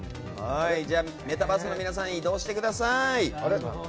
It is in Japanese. メタバースの皆さん移動してください。